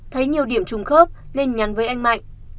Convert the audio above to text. thấy nhiều điểm trùng khớp nên nhắn với anh mạnh